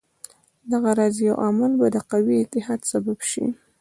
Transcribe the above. دغه راز یو عمل به د قوي اتحاد سبب شي.